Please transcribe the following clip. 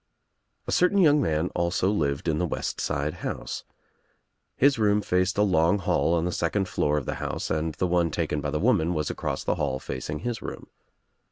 A certain young man also lived in the west side house. His room faced a long hall on the second floor of the house and the one taken by the woman was across the hall facing his room.